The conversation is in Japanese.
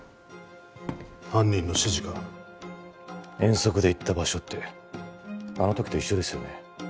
犯人の指示か遠足で行った場所ってあの時と一緒ですよね